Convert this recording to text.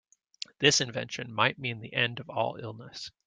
This invention might mean the end of all illness.